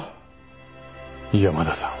山田さん。